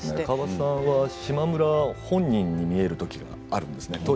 川端さんが島村本人に見えるときがあるんですね。